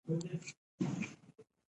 له نرمۍ څخه كار واخله!